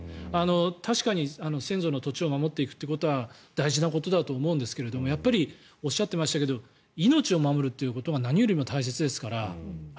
確かに先祖の土地を守っていくことは大事なことですけどもやっぱりおっしゃっていましたが命を守るということが何よりも大切ですから。